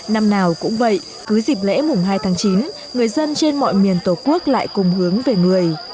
năm nào cũng vậy cứ dịp lễ mùng hai tháng chín người dân trên mọi miền tổ quốc lại cùng hướng về người